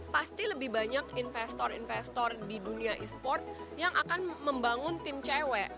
pasti lebih banyak investor investor di dunia e sport yang akan membangun tim cewek